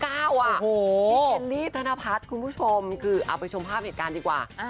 เคลลี่ธนพัฒน์คุณผู้ชมคือเอาไปชมภาพเหตุการณ์ดีกว่า